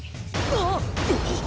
あっ！